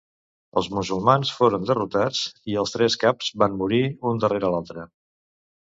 Els musulmans foren derrotats i els tres caps van morir un darrer l'altra.